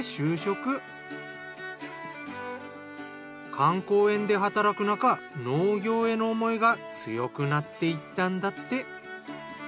観光園で働くなか農業への思いが強くなっていったんだって。